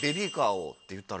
って言ったら。